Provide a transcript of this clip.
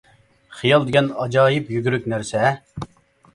خىيال دېگەن ئاجايىپ يۈگۈرۈك نەرسە ھە!